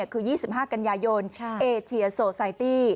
คือ๒๕กันยายนเอเชียโซไซตี้